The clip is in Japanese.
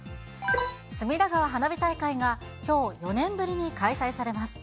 隅田川花火大会がきょう、４年ぶりに開催されます。